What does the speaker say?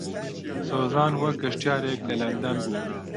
سۆزان وەک گەشتیارێک لە لەندەن بوو.